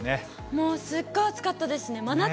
もうすっごい暑かったです。